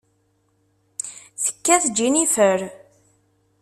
Tekkat Jennifer.